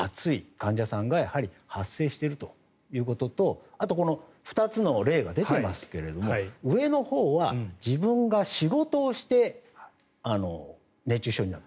患者さんが発生しているということとあと、２つの例が出ていますが上のほうは自分が仕事をして熱中症になる。